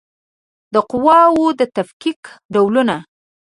د قواوو د تفکیک ډولونه